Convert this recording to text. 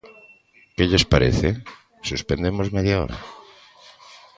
¿Que lles parece?, ¿suspendemos media hora?